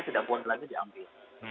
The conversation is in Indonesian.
tidak boleh lagi diambil